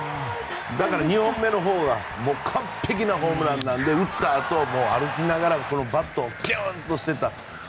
だから２本目のほうが完璧なホームランなので打ったあと、歩きながらこのバットをぴゅーんと捨てた。